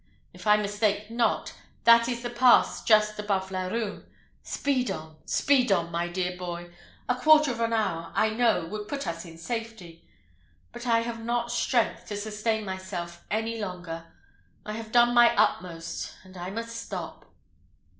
If I mistake not, that is the pass just above Laruns. Speed on, speed on, my dear boy; a quarter of an hour, I know, would put us in safety, but I have not strength to sustain myself any longer: I have done my utmost, and I must stop."